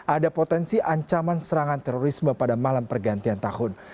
ada potensi ancaman serangan terorisme pada malam pergantian tahun